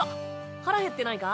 腹減ってないか？